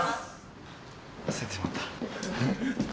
忘れてしまった。